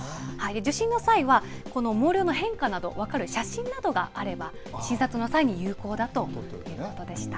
受診の際は、この毛量の変化など、分かる写真などがあれば、診察の際に有効だということでした。